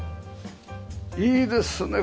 いいですね